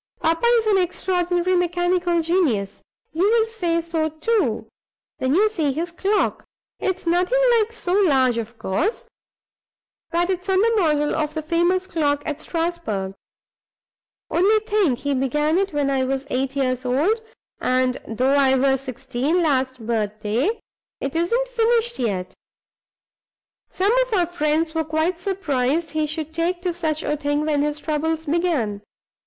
Papa is an extraordinary mechanical genius. You will say so, too, when you see his clock. It's nothing like so large, of course, but it's on the model of the famous clock at Strasbourg. Only think, he began it when I was eight years old; and (though I was sixteen last birthday) it isn't finished yet! Some of our friends were quite surprised he should take to such a thing when his troubles began.